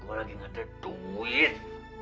gue lagi gak ada duit